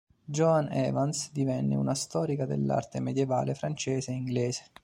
Joan Evans divenne una storica dell'arte medievale francese e inglese.